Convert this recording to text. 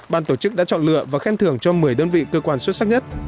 ban tổ chức đã chọn lựa và khen thưởng cho một mươi đơn vị cơ quan xuất sắc nhất